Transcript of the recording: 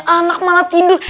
anak malah tidur